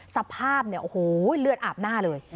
สภาพเนี่ยโอ้โหเลือดอาบหน้าเลย